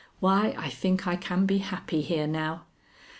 Why, I think I can be happy here now."